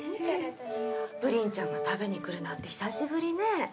ぷりんちゃんが食べに来るなんて久しぶりねぇ。